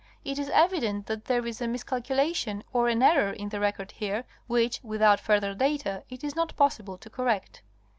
It is evident that there is a miscalculation, or an error in the record here, which, without further data, it is not possible to correct.